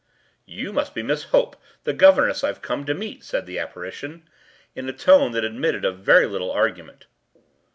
“You must be Miss Hope, the governess I’ve come to meet,” said the apparition, in a tone that admitted of very little argument.